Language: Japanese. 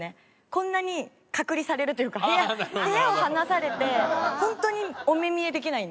こんなに隔離されるというか部屋を離されて本当にお目見えできないので。